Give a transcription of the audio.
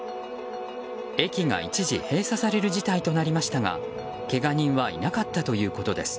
駅が一時閉鎖される事態となりましたがけが人はいなかったということです。